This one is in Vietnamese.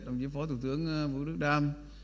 đồng chí phó thủ tướng vũ đức đam